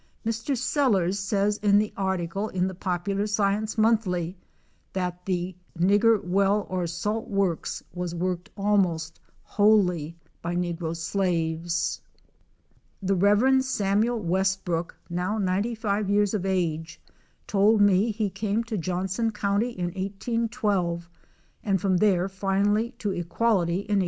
Mr. Sellers says in the article in the Popular Science Monthly that the "Nigger well or salt works was worked almost wholly by negro slaves." The Rev. Samuel Westbrook, now 95 years of age, told me he came to Johnson county in 1812, and from there finally to Equality in 1826.